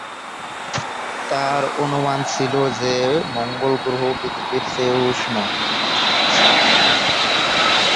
তাঁর অনুমান ছিল যে, মঙ্গল গ্রহ পৃথিবীর চেয়েও উষ্ণ।